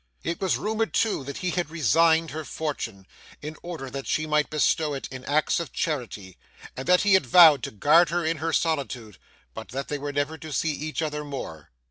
It was rumoured too that he had resigned her fortune, in order that she might bestow it in acts of charity, and that he had vowed to guard her in her solitude, but that they were never to see each other more.